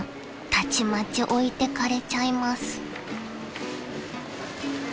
たちまち置いてかれちゃいます］